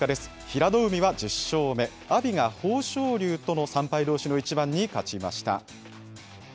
平戸海は１０勝目、阿炎が豊昇龍との３敗どうしの一番に勝ちました。